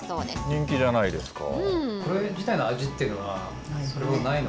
人気じゃないですか。